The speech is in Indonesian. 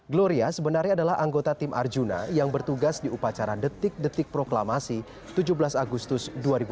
gloria sebenarnya adalah anggota tim arjuna yang bertugas di upacara detik detik proklamasi tujuh belas agustus dua ribu dua puluh